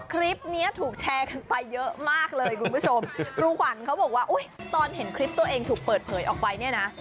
คลิปนี้ถูกแชร์กันไปเยอะมากเลยคุณผู้ชมครูขวัญเขาบอกว่าอุ้ยตอนเห็นคลิปตัวเองถูกเปิดเผยออกไปเนี่ยนะ